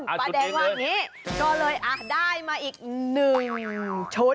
ปลาแดงว่างนี้ก็เลยได้มาอีกหนึ่งชุด